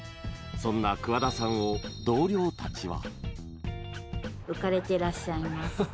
そんな桑田さんを同僚たちは。